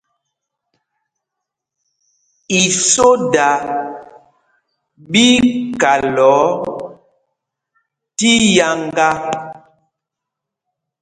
Isóda ɓí í kalɔɔ tíiyáŋgá.